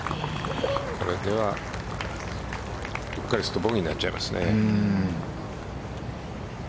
これではうっかりするとボギーになっちゃいますね。